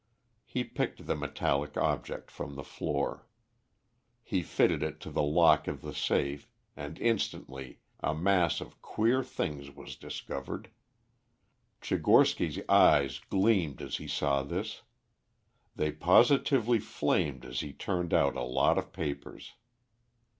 He picked the metallic object from the floor. He fitted it to the lock of the safe, and instantly a mass of queer things was discovered. Tchigorsky's eyes gleamed as he saw this; they positively flamed as he turned out a lot of papers.